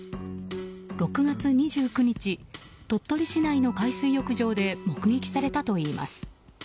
６月２９日鳥取市内の海水浴場で目撃されたといいます。